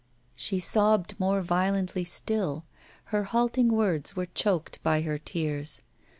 She sobbed more violently still; her halting words were choked by her tears.